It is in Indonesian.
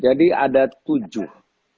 jadi ada tujuh